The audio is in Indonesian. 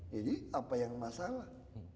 jadi apa yang masalah